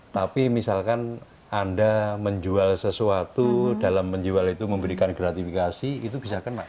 tapi misalkan anda menjual sesuatu dalam menjual itu memberikan gratifikasi itu bisa kena